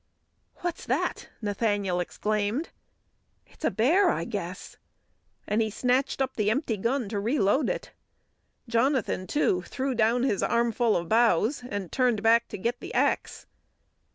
"What's that?" Nathaniel exclaimed. "It's a bear I guess," and he snatched up the empty gun to reload it. Jonathan, too, threw down his armful of boughs and turned back to get the axe.